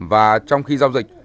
và trong khi giao dịch